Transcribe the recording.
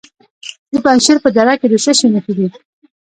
د پنجشیر په دره کې د څه شي نښې دي؟